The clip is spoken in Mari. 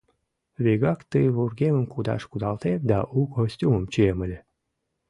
— Вигак ты вургемым кудаш кудалтем да у костюмым чием ыле...»